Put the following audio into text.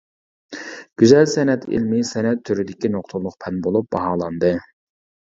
گۈزەل سەنئەت ئىلمى سەنئەت تۈرىدىكى نۇقتىلىق پەن بولۇپ باھالاندى.